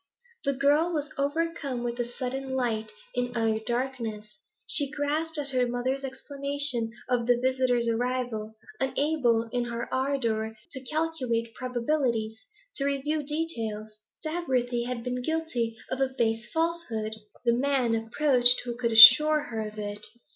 The girl was overcome with a sudden light in utter darkness. She grasped at her mother's explanation of the visitor's arrival; unable, in her ardour, to calculate probabilities, to review details. Dagworthy had been guilty of a base falsehood; the man approached who could assure her of it.